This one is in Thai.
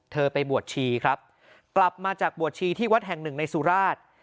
ไปบวชชีครับกลับมาจากบวชชีที่วัดแห่งหนึ่งในสุราช